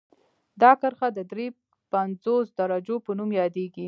دا کرښه د دري پنځوس درجو په نوم یادیږي